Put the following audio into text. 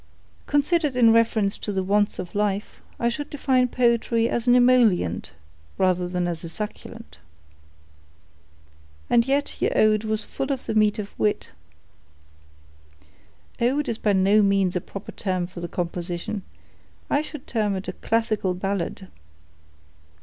Considered in reference to the wants of life, I should define poetry as an emollient, rather than as a succulent." "And yet your ode was full of the meat of wit." "Ode is by no means a proper term for the composition; I should term it a classical ballad."